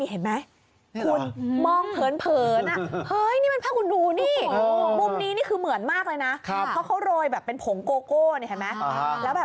เหมือนพี่ผู้ชมหนูน่ะ